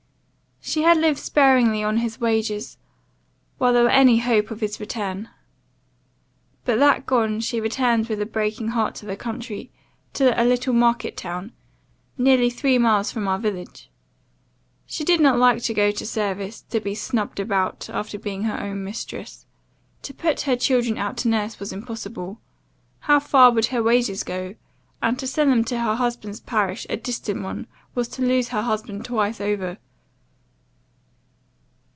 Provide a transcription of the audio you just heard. "She had lived sparingly on his wages, while there was any hope of his return; but, that gone, she returned with a breaking heart to the country, to a little market town, nearly three miles from our village. She did not like to go to service, to be snubbed about, after being her own mistress. To put her children out to nurse was impossible: how far would her wages go? and to send them to her husband's parish, a distant one, was to lose her husband twice over.